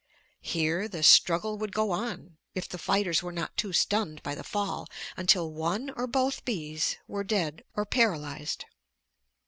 Here the struggle would go on, if the fighters were not too stunned by the fall, until one or both bees were dead or paralyzed.